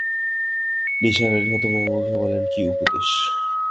নিসার আলি হতভম্ব গলায় বললেন, কী উপদেশ?